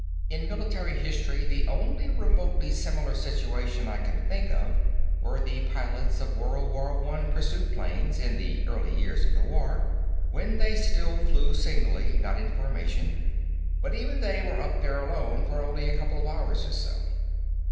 In military history the only remotely similar situation I can think of were the pilots of World War One pursuit planes, in the early years of the war, when they still flew singly, not in formation. But even they were up there alone for only a couple of hours or so."